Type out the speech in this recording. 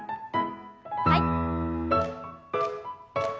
はい。